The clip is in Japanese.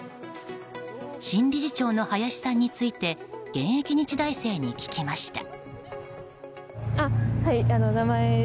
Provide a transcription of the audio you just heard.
新理事長の林さんについて現役日大生に聞きました。